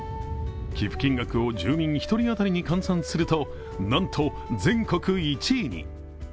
寄付金額を住民１人当たりに換算すると、なんと全国１位に。